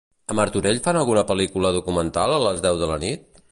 A Martorell fan alguna pel·lícula documental a les deu de la nit?